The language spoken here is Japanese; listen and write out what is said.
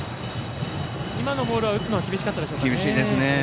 今のは打つのは厳しかったですかね。